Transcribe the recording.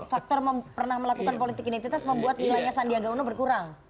faktor pernah melakukan politik identitas membuat nilainya sandiaga uno berkurang